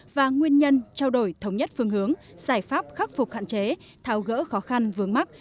và nguyên nhân trao đổi thống nhất phương hướng giải pháp khắc phục hạn chế thao gỡ khó khăn vướng mắt